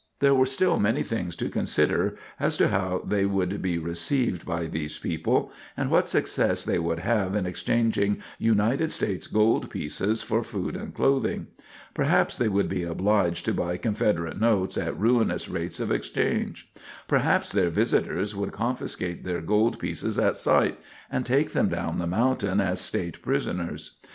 There were still many things to consider as to how they would be received by these people, and what success they would have in exchanging United States gold pieces for food and clothing. Perhaps they would be obliged to buy Confederate notes at ruinous rates of exchange. Perhaps their visitors would confiscate their gold pieces at sight, and take them down the mountain as State prisoners.